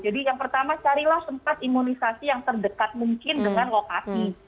jadi yang pertama carilah tempat imunisasi yang terdekat mungkin dengan lokasi